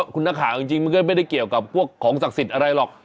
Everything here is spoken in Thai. คุณนักข่าวจริงมันก็ไม่ได้เกี่ยวกับพวกของศักดิ์สิทธิ์อะไรหรอก